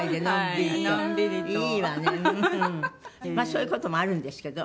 そういう事もあるんですけど。